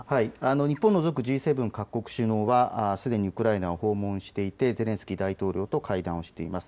日本を除くＧ７各国首脳はすでにウクライナを訪問していてゼレンスキー大統領と会談をしています。